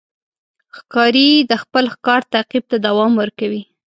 ښکاري د خپل ښکار تعقیب ته دوام ورکوي.